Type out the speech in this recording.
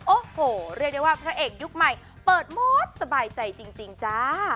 โอ้โหเรียกได้ว่าพระเอกยุคใหม่เปิดหมดสบายใจจริงจ้า